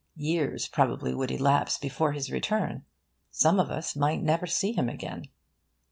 Years probably would elapse before his return. Some of us might never see him again.